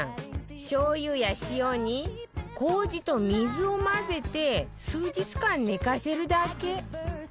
しょう油や塩に麹と水を混ぜて数日間寝かせるだけ